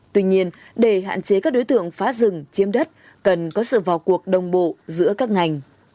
tuy nhiên để hạn chế các đối tượng phá rừng chiếm đất cần có sự vào cuộc đồng bộ giữa các ngành